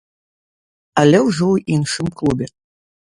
Але ўжо ў іншым клубе.